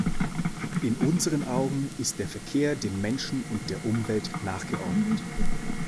In unseren Augen ist der Verkehr den Menschen und der Umwelt nachgeordnet.